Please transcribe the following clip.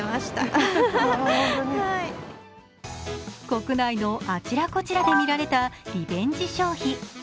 国内のあちらこちらで見られたリベンジ消費。